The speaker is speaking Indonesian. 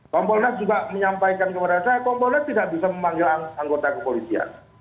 kompolnas juga menyampaikan kepada saya kompolnas tidak bisa memanggil anggota kepolisian